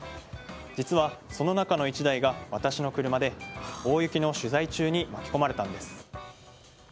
実は、その中の１台が私の車で大雪の取材中に巻き込まれたんです。